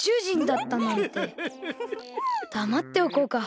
だまっておこうか。